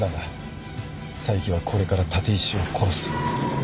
佐伯はこれから立石を殺す。